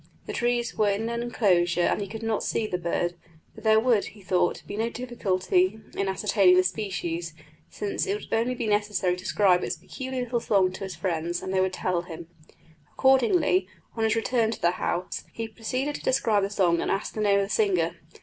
The trees were in an enclosure and he could not see the bird, but there would, he thought, be no difficulty in ascertaining the species, since it would only be necessary to describe its peculiar little song to his friends and they would tell him. Accordingly, on his return to the house he proceeded to describe the song and ask the name of the singer.